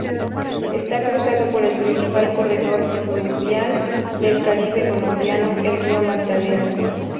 Está cruzado por el principal corredor fluvial del caribe colombiano, el río Magdalena.